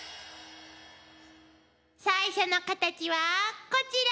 最初のカタチはこちら！